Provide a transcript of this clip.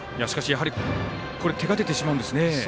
これ手が出てしまうんですね。